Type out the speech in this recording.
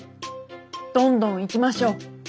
どんどんいきましょう。